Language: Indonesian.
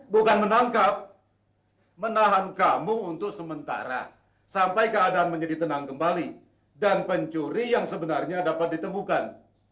bukan menangkap menahan kamu untuk sementara sampai keadaan menjadi tenang kembali dan pencuri yang sebenarnya dapat ditemukan